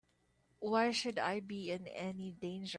Why should I be in any danger?